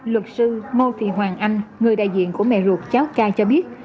luật sư mô thị hoàng anh người đại diện của mẹ ruột cháu cai cho biết